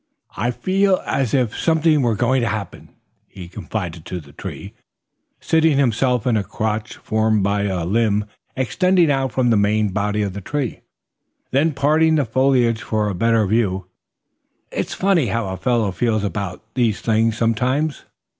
"I feel as if something were going to happen," he confided to the tree, seating himself in a crotch formed by a limb extending out from the main body of the tree, then parting the foliage for a better view. "It's funny how a fellow feels about these things some times.